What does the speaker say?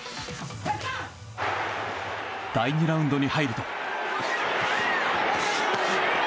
第２ラウンドに入ると。